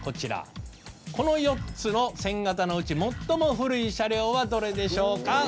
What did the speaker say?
この４つの１０００形のうち最も古い車両はどれでしょうか？